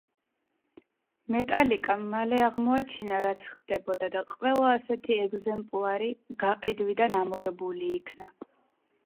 მეტალიკამ მალე აღმოაჩინა, რაც ხდებოდა, და ყველა ასეთი ეგზემპლარი გაყიდვიდან ამოღებული იქნა.